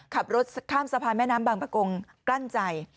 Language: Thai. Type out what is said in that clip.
ขับรถข้ามสะพานแม่น้ำบางประกงกลั้นใจ